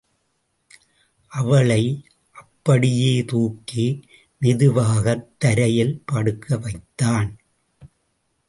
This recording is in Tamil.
அவளை அப்படியே தூக்கி மெதுவாகத் தரையில் படுக்க வைத்தான்.